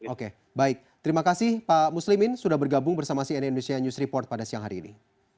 oke baik terima kasih pak muslimin sudah bergabung bersama cnn indonesia news report pada siang hari ini